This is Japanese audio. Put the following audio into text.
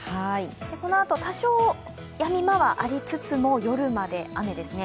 このあと多少やみ間はありつつも、夜まで雨ですね。